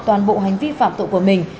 toàn bộ hành vi phạm tội của mình